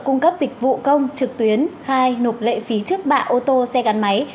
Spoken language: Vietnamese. cung cấp dịch vụ công trực tuyến khai nộp lệ phí trước bạ ô tô xe gắn máy